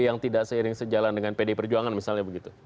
yang tidak seiring sejalan dengan pd perjuangan misalnya begitu